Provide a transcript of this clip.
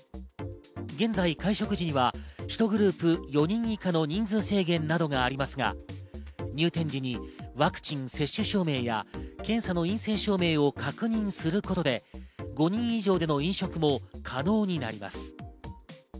現在、会食時には１グループ４人以下の人数制限などがありますが、入店時にワクチン接種証明や検査の陰性証明を確認することで、５人以上での飲食も可能になります。